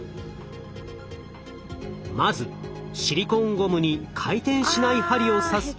まずシリコーンゴムに回転しない針を刺すと。